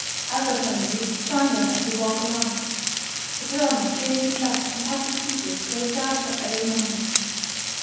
Other families join them as they walk along. The throng of gaily dressed and happy people grows larger every moment.